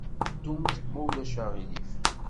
Ddumt, ma ulac aɣilif.